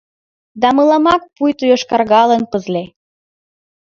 Да мыламак пуйто йошкаргалын пызле.